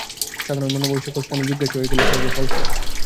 সাধারণ মানব ঐ-সকল স্থানে জিজ্ঞাসু হয়ে গেলে সহজে ফল পায়।